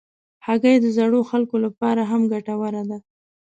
هګۍ د زړو خلکو لپاره هم ګټوره ده.